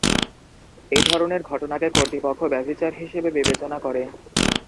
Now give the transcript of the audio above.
এই ধরনের ঘটনাকে কর্তৃপক্ষ ব্যভিচার হিসেবে বিবেচনা করে।